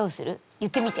言ってみて。